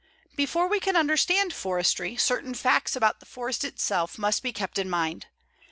Before we can understand forestry, certain facts about the forest itself must be kept in mind.